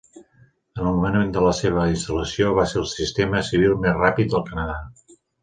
En el moment de la seva instal·lació, va ser el sistema civil més ràpid del Canadà.